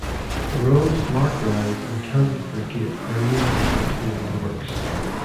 The roads 'Lark Rise' and 'Candleford Gate' are named after two of the works.